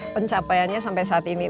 pencapaiannya sampai saat ini